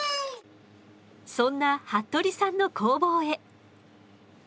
そんな服部さんの工房へ。